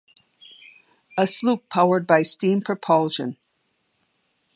A sloop powered by steam propulsion.